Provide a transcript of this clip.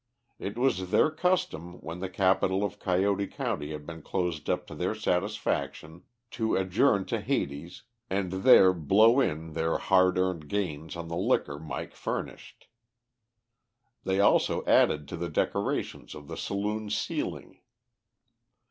It was their custom, when the capital of Coyote county had been closed up to their satisfaction, to adjourn to Hades and there "blow in" their hard earned gains on the liquor Mike furnished. They also added to the decorations of the saloon ceiling.